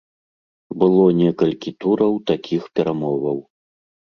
Было некалькі тураў такіх перамоваў.